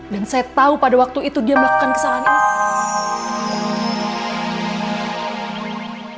dan saya tau pada waktu itu dia melakukan kesalahan ini